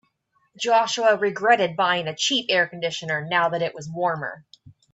Joshua regretted buying a cheap air conditioner now that it was warmer.